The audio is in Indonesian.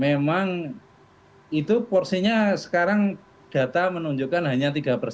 memang itu porsinya sekarang data menunjukkan hanya tiga persen